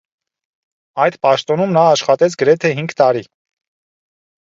Այդ պաշտոնում նա աշխատեց գրեթե հինգ տարի։